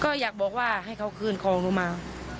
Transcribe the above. ก็อยากบอกว่าให้เขาคืนของหนูมา